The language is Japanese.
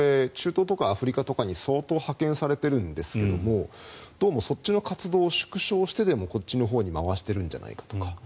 中東とかアフリカとかに相当派遣されているんですがそっちの活動を縮小してでもこっちに回しているんじゃないかと。